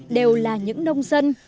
đều là những nông dân